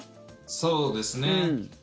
そうですね。